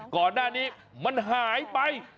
ก่อนหน้านี้มันหายไป